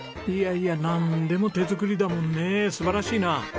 いやいやなんでも手作りだもんね素晴らしいなあ。